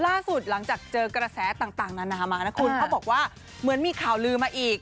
ล่าสุดหลังจากเจอกระแสต่างนานามานะคุณเขาบอกว่าเหมือนมีข่าวลือมาอีก